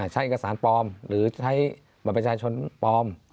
ใช้เอกสารปลอมหรือใช้บัตรประชาชนปลอม